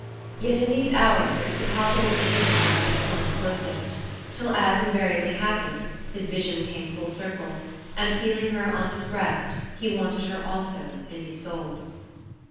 Yet in these hours it was the palpable image of her that clung closest, till, as invariably happened, his vision came full circle, and feeling her on his breast he wanted her also in his soul.